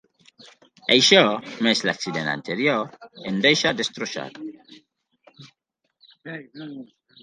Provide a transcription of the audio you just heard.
Això, més l'accident anterior, el deixa destrossat.